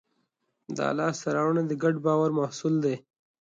دا لاستهراوړنې د ګډ باور محصول دي.